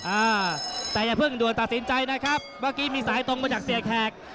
อ่าแต่อย่าเพิ่งด่วนตัดสินใจนะครับเมื่อกี้มีสายตรงมาจากเสียแขก